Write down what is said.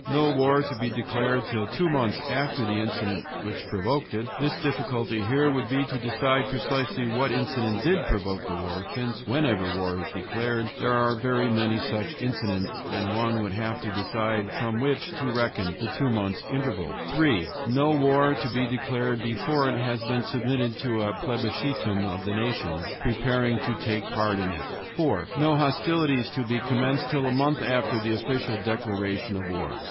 No war to be declared till two months after the incident which provoked it. (The difficulty here would be to decide precisely what incident did provoke the war, since whenever war is declared there are very many such incidents, and one would have to decide from which to reckon the two months' interval.) 3. No war to be declared before it has been submitted to a plebiscitum of the nations preparing to take part in it. 4. No hostilities to be commenced till a month after the official declaration of war.